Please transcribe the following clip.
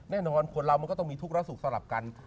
แน่นอนคนเรามันก็ต้องมีทุกรสุขสำหรับกัน